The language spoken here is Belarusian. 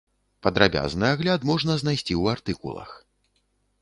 Падрабязны агляд можна знайсці ў артыкулах.